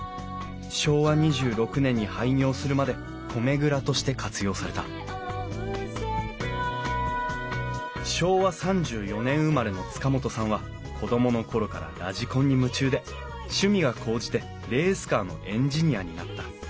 昭和２６年に廃業するまで米蔵として活用された昭和３４年生まれの塚本さんは子供の頃からラジコンに夢中で趣味が高じてレースカーのエンジニアになった。